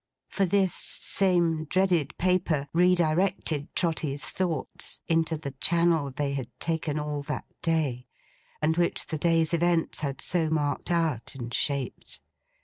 For this same dreaded paper re directed Trotty's thoughts into the channel they had taken all that day, and which the day's events had so marked out and shaped.